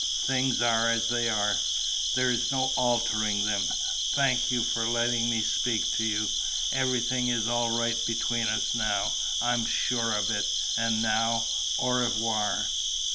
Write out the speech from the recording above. Things are as they are. There's no altering them. Thank you for letting me speak to you. Everything is all right between us now: I'm sure of it. And now au revoir.